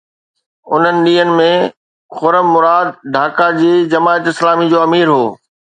انهن ڏينهن ۾ خرم مراد ڍاڪا جي جماعت اسلامي جو امير هو.